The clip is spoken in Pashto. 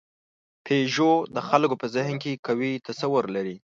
پيژو د خلکو په ذهن کې قوي تصور لري.